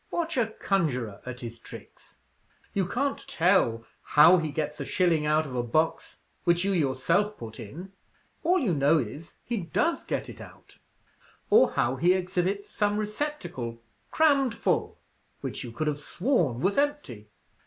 Watch a conjuror at his tricks! You can't tell how he gets a shilling out of a box which you yourself put in all you know is, he does get it out; or how he exhibits some receptacle, crammed full, which you could have sworn was empty.